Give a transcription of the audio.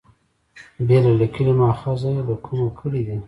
بېله لیکلي مأخذه له کومه کړي دي.